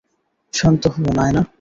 শান্ত হও, নায়না।